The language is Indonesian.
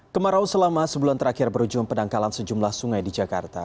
kemarau selama sebulan terakhir berujung penangkalan sejumlah sungai di jakarta